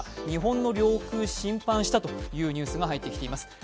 日本の領空を侵犯したというニュースが入ってきています。